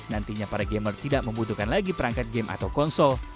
nantinya para gamer tidak membutuhkan lagi perangkat game atau konsol